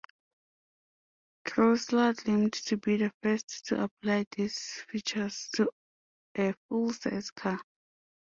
Chrysler claimed to be the first to apply these features to a full-size car.